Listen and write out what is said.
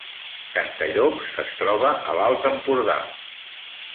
Cantallops es troba a l’Alt Empordà